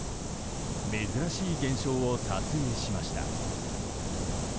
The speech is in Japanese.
珍しい現象を撮影しました。